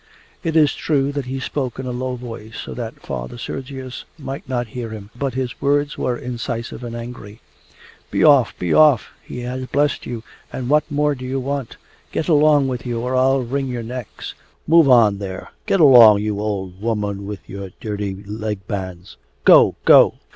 It is true that he spoke in a low voice so that Father Sergius might not hear him, but his words were incisive and angry. 'Be off, be off! He has blessed you, and what more do you want? Get along with you, or I'll wring your necks! Move on there! Get along, you old woman with your dirty leg bands! Go, go!